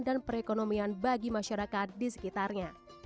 dan perekonomian bagi masyarakat di sekitarnya